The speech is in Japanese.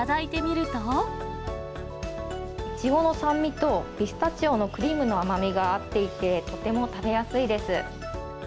イチゴの酸味と、ピスタチオのクリームの甘みが合っていて、とても食べやすいです。